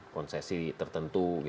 konsesi tertentu gitu